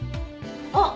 あっ！